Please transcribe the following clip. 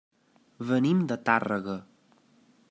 Venim de Tàrrega.